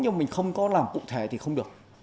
nhưng mình không có làm cụ thể thì không được